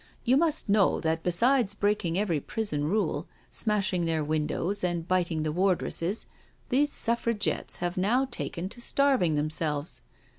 You must know that be sides breaking every prison rule, smashing their win dows, and biting the wardresses, these Suffragettes have now taken to starving themselves.